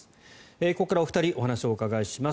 ここからお二人にお話をお伺いします。